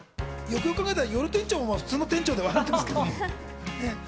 よくよく考えたら、夜店長も普通の店長ではあるんですけどね。